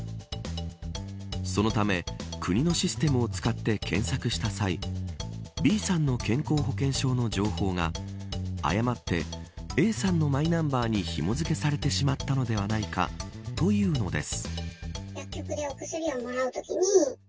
そのため、国のシステムを使って検索した際Ｂさんの健康保険証の情報が誤ってＡさんのマイナンバーにひも付けされてしまったのではないかというのです。